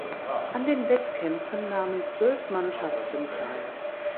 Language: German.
An den Wettkämpfen nahmen zwölf Mannschaften teil.